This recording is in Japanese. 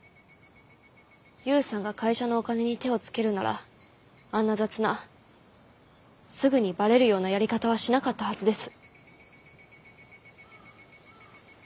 勇さんが会社のお金に手をつけるならあんな雑なすぐにばれるようなやり方はしなかったはずです。